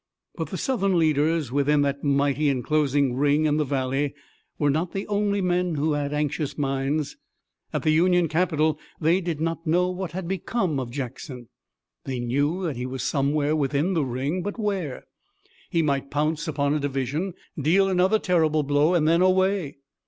But the Southern leaders within that mighty and closing ring in the valley were not the only men who had anxious minds. At the Union capital they did not know what had become of Jackson. They knew that he was somewhere within the ring, but where? He might pounce upon a division, deal another terrible blow and then away!